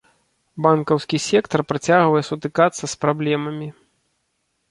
Банкаўскі сектар працягвае сутыкацца з праблемамі.